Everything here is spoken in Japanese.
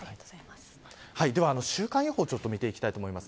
では週間予報を見ていきたいと思います。